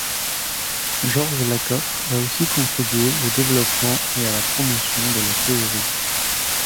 George Lakoff a aussi contribué au développement et à la promotion de la théorie.